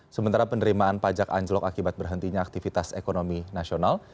sementara penerimaan pajak anjlok akibat berhentinya aktivitas ekonomi nasional